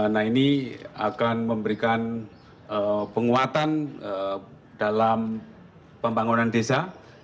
nah ini akan memberikan penguatan dalam pembangunan desa